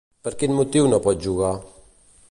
Per quin motiu no pot jugar?